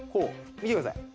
見てください。